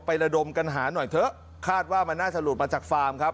ระดมกันหาหน่อยเถอะคาดว่ามันน่าจะหลุดมาจากฟาร์มครับ